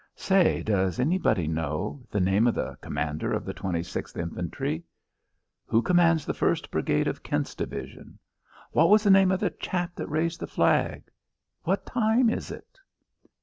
"Say, does anybody know, the name of the commander of the 26th Infantry?" "Who commands the first brigade of Kent's Division?" "What was the name of the chap that raised the flag?" "What time is it?"